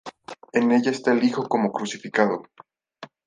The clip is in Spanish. En ella está el Hijo como Crucificado.